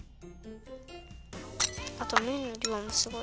あとめんのりょうもすごい。